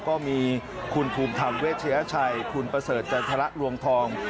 ก็มีคุณภูมิธรรมเวชยชัยคุณประเสริฐจันทรลวงทอง